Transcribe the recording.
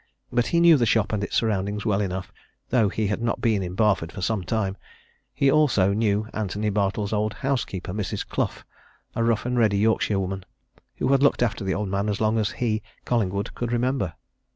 But he knew the shop and its surroundings well enough, though he had not been in Barford for some time; he also knew Antony Bartle's old housekeeper, Mrs. Clough, a rough and ready Yorkshirewoman, who had looked after the old man as long as he, Collingwood, could remember.